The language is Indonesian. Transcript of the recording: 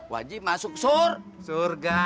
wajib masuk surga